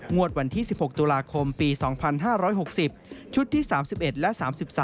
วันที่๑๖ตุลาคมปี๒๕๖๐ชุดที่๓๑และ๓๓